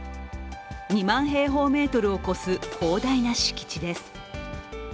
２万平方メートルを超す広大な敷地です。